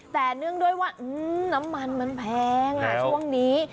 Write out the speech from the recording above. แต่เนื่องด้วยว่าน้ำมันมันแพงช่วงนี้